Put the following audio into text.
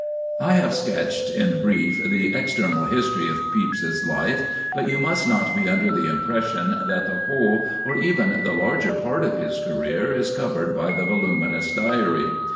I have sketched in brief the external history of Pepys's life, but you must not be under the impression that the whole, or even the larger part of his career, is covered by the voluminous Diary.